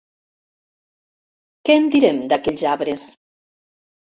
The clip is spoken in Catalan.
Què en direm d'aquells arbres?